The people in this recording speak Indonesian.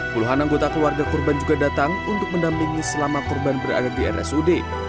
puluhan anggota keluarga korban juga datang untuk mendampingi selama korban berada di rsud